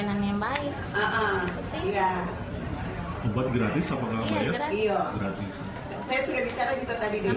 sangat membantu menurut ibu